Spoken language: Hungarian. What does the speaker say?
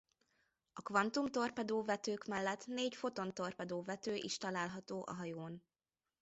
A kvantumtorpedó-vetők mellett négy fotontorpedó-vető is található a hajón.